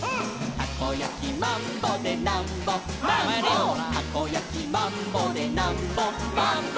「たこやきマンボでなんぼチューチュー」「たこやきマンボでなんぼマンボ」